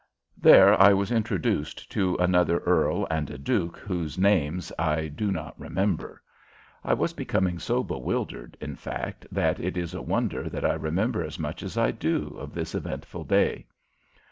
There I was introduced to another earl and a duke whose names I do not remember. I was becoming so bewildered, in fact, that it is a wonder that I remember as much as I do of this eventful day.